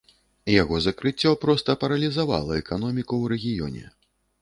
Яго закрыццё проста паралізавала эканоміку ў рэгіёне.